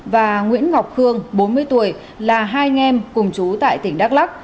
và nguyễn ngọc cường bốn mươi tuổi là hai nghem cùng chú tại tỉnh đắk lắk